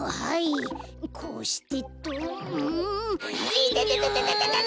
いてててて！